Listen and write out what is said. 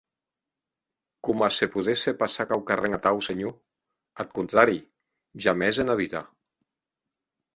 Coma se podesse passar quauquarren atau, senhor; ath contrari, jamès ena vida.